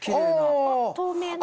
透明な。